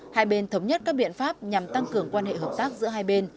hai bên thống nhất các biện pháp nhằm tăng cường quan hệ hợp tác giữa hai bên